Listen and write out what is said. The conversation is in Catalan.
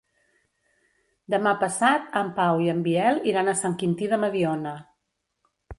Demà passat en Pau i en Biel iran a Sant Quintí de Mediona.